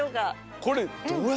これ。